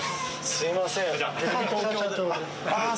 すみません。